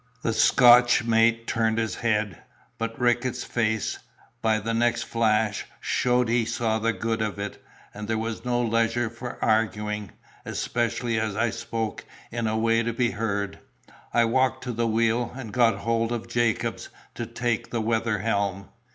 The Scotch mate turned his head; but Rickett's face, by the next flash, showed he saw the good of it, and there was no leisure for arguing, especially as I spoke in a way to be heard. I walked to the wheel, and got hold of Jacobs to take the weather helm.